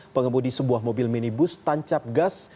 pengemudi sebuah mobil minibus tancap gas